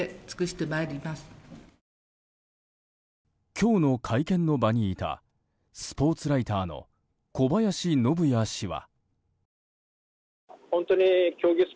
今日の会見の場にいたスポーツライターの小林信也氏は。